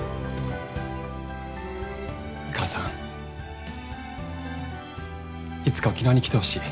母さんいつか沖縄に来てほしい。